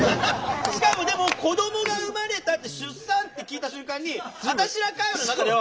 しかもでも子どもが生まれたって出産って聞いた瞬間に私ら界わいの中ではマジだマジだ。